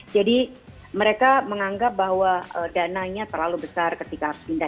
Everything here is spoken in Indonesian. jadi mereka menganggap bahwa dananya terlalu besar ketika pindah